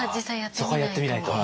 そこはやってみないと。